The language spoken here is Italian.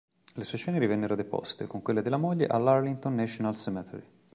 Le sue ceneri vennero deposte, con quelle della moglie, all'Arlington National Cemetery.